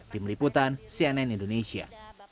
tim liputan cnn indonesia